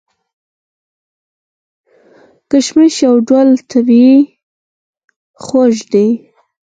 کشمش یو ډول طبیعي خوږ دی.